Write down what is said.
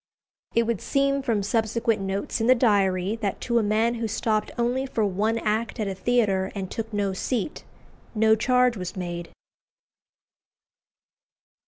It would seem from subsequent notes in the Diary, that to a man who stopped only for one act at a theatre, and took no seat, no charge was made.